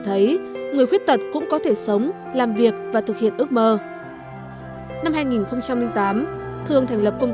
thấy người khuyết tật cũng có thể sống làm việc và thực hiện ước mơ năm hai nghìn tám thương thành lập công